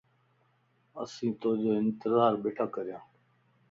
اسين تو جو انتظار ٻيھڻا ڪريان